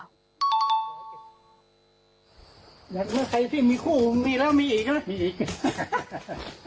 ใครที่มีคู่มีแล้วมีอีกนะ